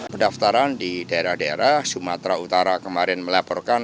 pendaftaran di daerah daerah sumatera utara kemarin melaporkan